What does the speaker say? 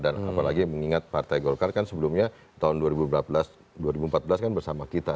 dan apalagi mengingat partai golkar kan sebelumnya tahun dua ribu empat belas kan bersama kita